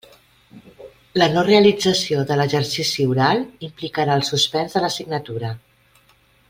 La no realització de l'exercici oral implicarà el suspens de l'assignatura.